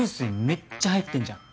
めっちゃ入ってんじゃん。